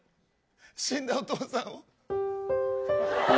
死んだ、お父さんを。